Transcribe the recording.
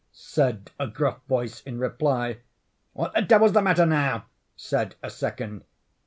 said a gruff voice, in reply. "What the devil's the matter now!" said a second.